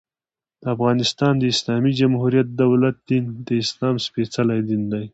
د افغانستان د اسلامي جمهوري دولت دين، د اسلام سپيڅلی دين دى.